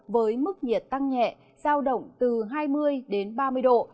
với mức nhiệt tăng nhẹ giao động từ hai mươi đến ba mươi độ